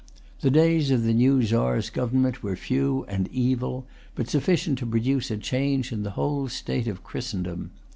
The days of the new Czar's government were few and evil, but sufficient to produce a change in the whole state of Christendom.